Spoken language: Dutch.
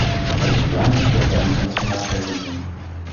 Het is belangrijk dat wij ons dit vandaag herinneren.